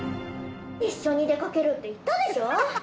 「一緒に出かけるって言ったでしょ！」